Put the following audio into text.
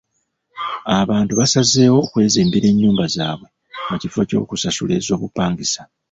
Abantu basazeewo okwezimbira ennyumba zaabwe mu kifo ky'okusasula ez'obupangisa.